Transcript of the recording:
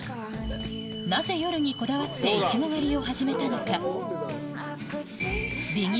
なぜ夜にこだわってイチゴ狩りを始めたのか。